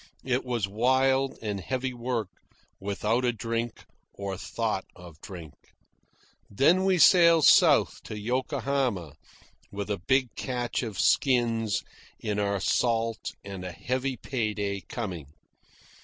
It was wild and heavy work, without a drink or thought of drink. Then we sailed south to Yokohama, with a big catch of skins in our salt and a heavy pay day coming.